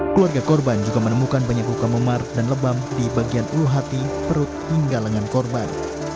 keluarga korban juga menemukan banyak luka memar dan lebam di bagian ulu hati perut hingga lengan korban